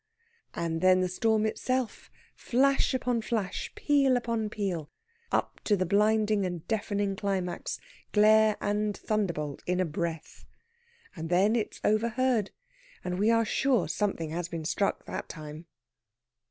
And then the storm itself flash upon flash peal upon peal up to the blinding and deafening climax, glare and thunderbolt in a breath. And then it's overhead, and we are sure something has been struck that time.